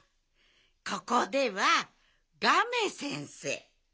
ここでは「ガメ先生」でしょ？